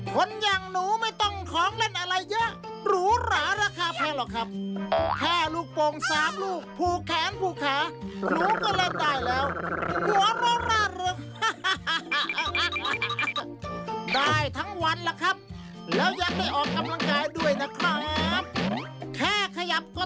คนอย่างหนูไม่ต้องของเล่นอะไรเยอะหรูหราราคาแพงหรอกครับ